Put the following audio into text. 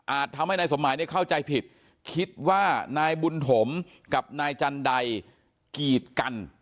ทำให้นายสมหมายเข้าใจผิดคิดว่านายบุญถมกับนายจันใดกีดกัน